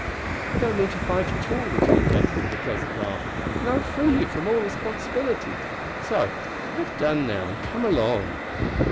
"I don't mean to fight at all," returned Betty, with a pleasant laugh, "and I will free you from all responsibility; so, have done, now, and come along."